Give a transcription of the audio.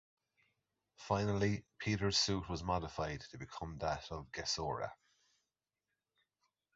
Finally, Peter's suit was modified to become that of Gesura.